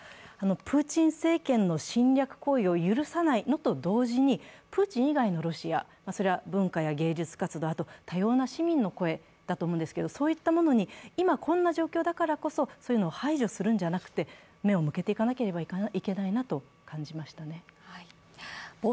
プーチン政権の侵略行為を許さないのと同時に、プーチン以外のロシア、それは文化や芸術活動、あとは多様な市民の声だと思いますが，そういったものに今こんな状況だからこそそういうのを排除するのではなくて目を向けていかなければいけないなと感じました。